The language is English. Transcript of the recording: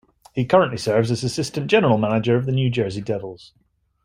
He currently serves as assistant general manager of the New Jersey Devils.